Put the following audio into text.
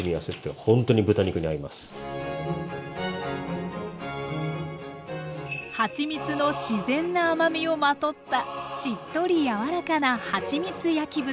はちみつの自然な甘みをまとったしっとり柔らかなはちみつ焼き豚。